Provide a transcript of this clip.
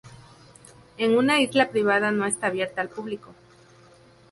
Es una isla privada, no está abierta al público.